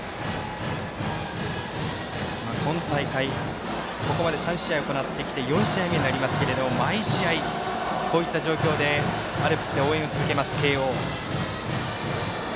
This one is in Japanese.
今大会、ここまで３試合行ってきて４試合目になりますけど毎試合、こういった状況でアルプスで応援を続けます、慶応。